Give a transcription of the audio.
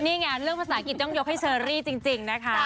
นี่ไงเรื่องภาษาอังกฤษต้องยกให้เชอรี่จริงนะคะ